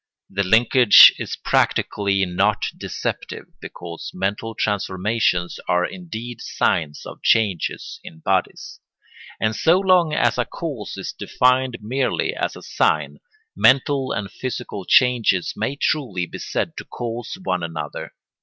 The linkage is practically not deceptive, because mental transformations are indeed signs of changes in bodies; and so long as a cause is defined merely as a sign, mental and physical changes may truly be said to cause one another.